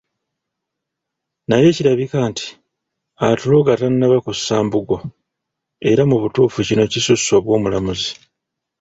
Naye kirabika nti, atuloga tannaba kussa mbugo, era mu butuufu kino kisusse obw’omulamuzi.